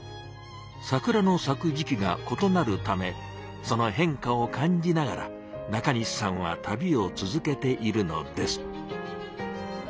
桜の咲く時期がことなるためその変化を感じながら中西さんは旅を続けているのです。